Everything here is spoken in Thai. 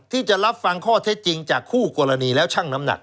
ที่จะรับฟังข้อเท็จจริงจากคู่กรณีแล้วช่างน้ำหนัก